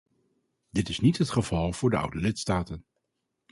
Dit is niet het geval voor de oude lidstaten.